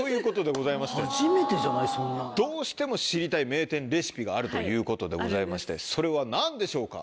名店レシピがあるということでございましてそれは何でしょうか？